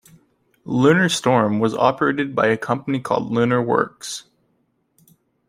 "LunarStorm" was operated by a company called LunarWorks.